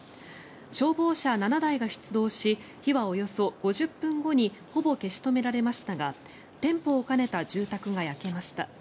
消防車７台が出動し火はおよそ５０分後にほぼ消し止められましたが店舗を兼ねた住宅が焼けました。